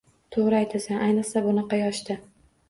Toʻgʻri aytasan, ayniqsa bunaqa yoshda.